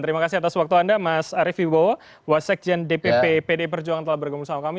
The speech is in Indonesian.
terima kasih atas waktu anda mas arief ibu bowo wassekjen dpp pdi perjuangan telah berkomunikasi sama kami